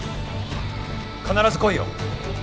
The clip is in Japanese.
必ず来いよ。